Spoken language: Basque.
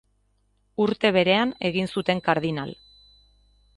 Urte berean egin zuten kardinal.